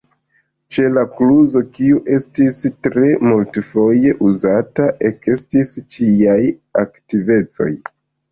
Ĉe la kluzo, kiu estis tre multfoje uzata, ekestis ĉiaj aktivecoj.